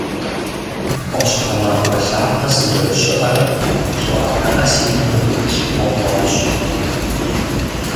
Ӏуащхьэмахуэ лъапэ сызэрыщыӏэрэ, щӏыӏэтыӏэ си гум нэхъ къилъыхъуэ хъуащ.